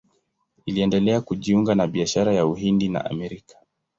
Iliendelea kujiunga na biashara ya Uhindi na Amerika.